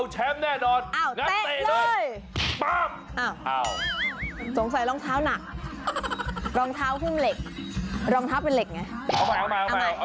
จริงเปล่า